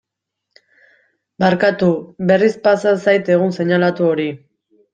Barkatu, berriz pasa zait egun seinalatu hori.